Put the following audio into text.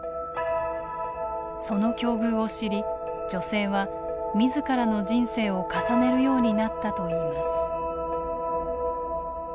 その境遇を知り女性はみずからの人生を重ねるようになったといいます。